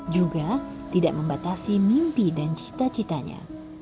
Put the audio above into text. juga tidak membatasi mimpi dan cita citanya